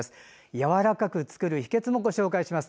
やわらかく作る秘けつもご紹介します。